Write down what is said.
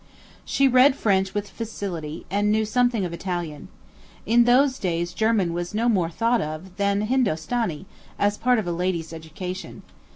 She read French with facility, and knew something of Italian. In those days German was no more thought of than Hindostanee, as part of a lady's education.